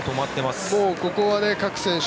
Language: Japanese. もうここは各選手